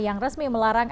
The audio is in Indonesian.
yang resmi melarang